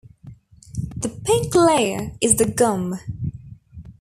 The pink layer is the gum.